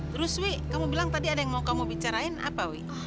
terus wi kamu bilang tadi ada yang mau kamu bicarain apa wi